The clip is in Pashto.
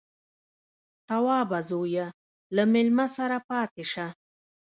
_توابه زويه، له مېلمه سره پاتې شه.